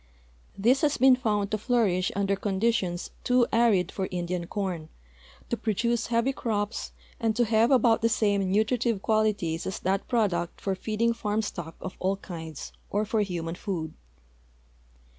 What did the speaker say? This has been found to flourish under conditions too arid for Indian corn, to produce heavy crops, and to have about the same nutritive qualities as that product for feeding farm stock of all kinds or for human food.